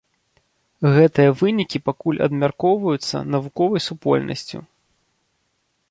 Гэтыя вынікі пакуль абмяркоўвацца навуковай супольнасцю.